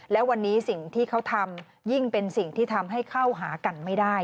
และวันนี้สิ่งที่เขาทำยิ่งเป็นสิ่งที่ทำให้เข้าหากันไม่ได้